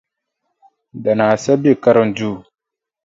Danaa sa be karinduu.